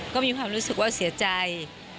ก็มีความรู้สึกว่าเสียใจ